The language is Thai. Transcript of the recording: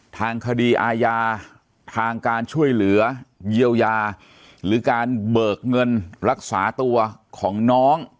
ทางคดีอาญาทางการช่วยเหลือเยียวยาหรือการเบิกเงินรักษาตัวของน้อง